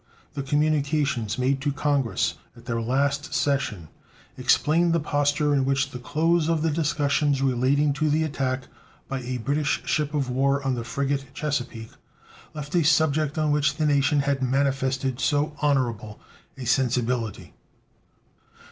The communications made to Congress at their last session explained the posture in which the close of the discussions relating to the attack by a British ship of war on the frigate Chesapeake left a subject on which the nation had manifested so honorable a sensibility.